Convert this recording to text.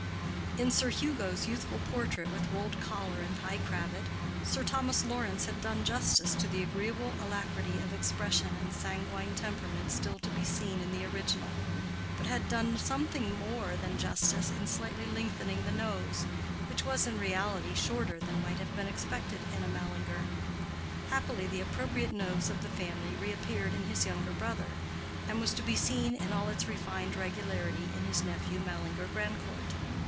In Sir Hugo's youthful portrait with rolled collar and high cravat, Sir Thomas Lawrence had done justice to the agreeable alacrity of expression and sanguine temperament still to be seen in the original, but had done something more than justice in slightly lengthening the nose, which was in reality shorter than might have been expected in a Mallinger. Happily the appropriate nose of the family reappeared in his younger brother, and was to be seen in all its refined regularity in his nephew Mallinger Grandcourt.